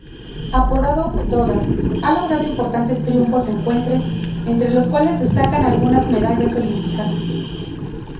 Apodado "Doda", ha logrado importantes triunfos ecuestres, entre los cuales destacan algunas medallas olímpicas.